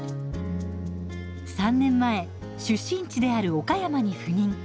３年前出身地である岡山に赴任。